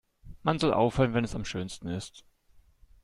Man soll aufhören, wenn es am schönsten ist.